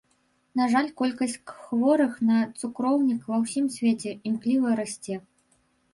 На жаль, колькасць хворых на цукроўнік ва ўсім свеце імкліва расце.